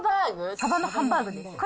サバのハンバーグです。